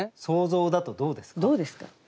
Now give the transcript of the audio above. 想像だとどうですか？